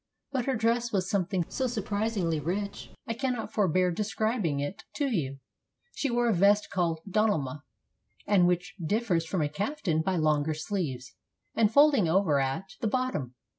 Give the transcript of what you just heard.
But her dress was some thing so surprisingly rich, I cannot forbear describing it to you. She wore a vest called donalma, and which dif fers from a caftan by longer sleeves, and folding over at the bottom.